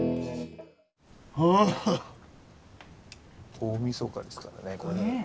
大みそかですからねこれね。